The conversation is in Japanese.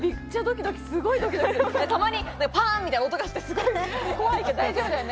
たまにパンという音がして怖いけれど大丈夫だよね？